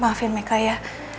maafin mereka ya